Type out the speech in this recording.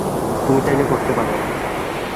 তুমি চাইলে করতে পারো।